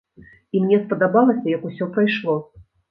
І мне спадабалася, як усё прайшло.